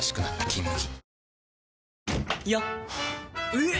えっ！